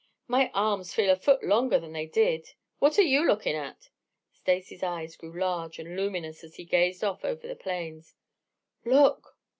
"My arms feel a foot longer than they did. What are you looking at?" Stacy's eyes grew large and luminous as he gazed off over the plains. "Look!